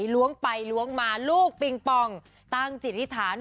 ขออีกซักเพลงนึงนะคะ